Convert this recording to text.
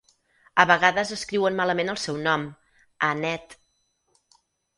A vegades escriuen malament el seu nom: Annett.